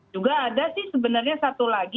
juga ada sih sebenarnya satu lagi